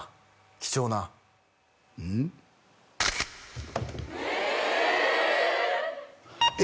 貴重なうん？ええ！